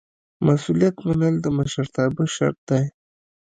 مسؤلیت منل د مشرتابه شرط دی.